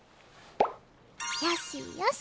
よしよし。